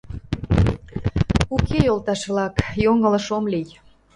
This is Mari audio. Уке, йолташ-влак, йоҥылыш ом лий.